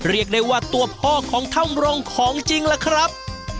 เรียกได้ว่าตัวพ่อของถ้ำรงของจริงล่ะครับ